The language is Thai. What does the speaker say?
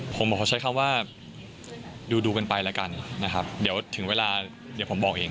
ผมขอใช้คำว่าดูกันไปแล้วกันนะครับเดี๋ยวถึงเวลาเดี๋ยวผมบอกเอง